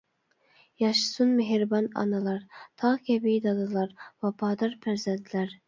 ياشىسۇن مېھرىبان ئانىلار، تاغ كەبى دادىلار، ۋاپادار پەرزەنتلەر!